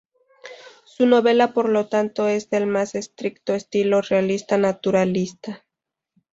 Su novela por lo tanto, es del más estricto estilo realista naturalista.